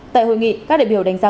tại hội nghị các đại biểu đánh giá